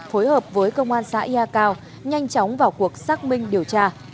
phối hợp với công an xã yatio nhanh chóng vào cuộc xác minh điều tra